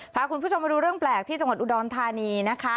พาคุณผู้ชมมาดูเรื่องแปลกที่จังหวัดอุดรธานีนะคะ